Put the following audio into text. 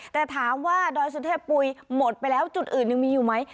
แต่ถามว่าดอยสุเทพปุ๋ยหมดไปแล้วจุดอื่นยังมีอยู่ไหม